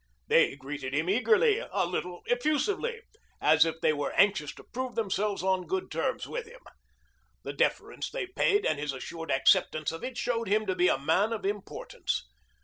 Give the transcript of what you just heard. They greeted him eagerly, a little effusively, as if they were anxious to prove themselves on good terms with him. The deference they paid and his assured acceptance of it showed him to be a man of importance.